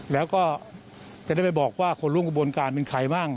แล้วก็จะได้ไปบอกว่าคนร่วมกระบวนการเป็นใครบ้าง